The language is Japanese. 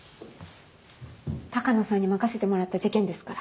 鷹野さんに任せてもらった事件ですから。